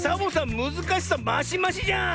むずかしさマシマシじゃん！